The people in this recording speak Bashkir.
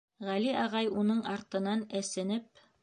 Ғәли ағай уның артынан, әсенеп: